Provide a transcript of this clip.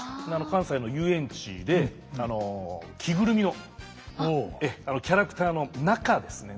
関西の遊園地で着ぐるみのキャラクターの中ですね。